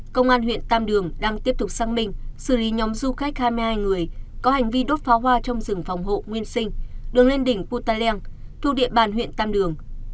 công an huyện tam đường đang tiếp tục xác minh xử lý nhóm du khách hai mươi hai người có hành vi đốt pháo hoa trong rừng phòng hộ nguyên sinh đường lên đỉnh putaleng thu địa bàn huyện tam đường